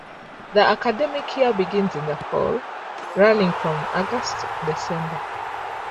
The academic year begins in the fall, running from August to December.